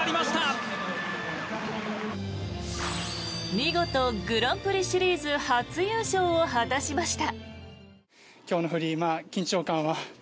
見事グランプリシリーズ初優勝を果たしました。